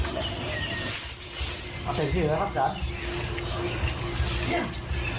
สวัสดีครับจารส์